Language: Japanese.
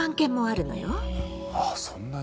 あそんなに。